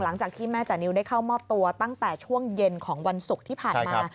หลังจากที่แม่จานิวได้เข้ามอบตัวตั้งแต่ช่วงเย็นของวันศุกร์ที่ผ่านมา